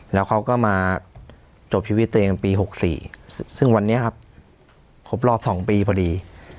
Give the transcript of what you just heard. แล้วเขาก็มาจบชีวิตตัวเองปี๖๔ซึ่งวันนี้ครับครบรอบ๒ปีพอดี